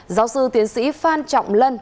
giáo sư tiến sĩ phan trọng lân